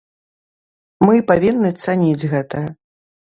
Мы павінны цаніць гэтае.